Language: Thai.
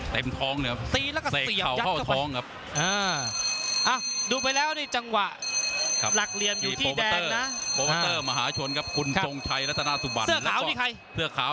เต็มท้องเลยครับตีแล้วก็เสี่ยงเสกเขาเข้าท้องครับอ่า